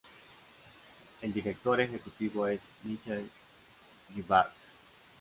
El Director Ejecutivo es Mitchell G. Bard.